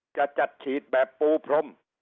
จะจัดฉีดแบบปูพรม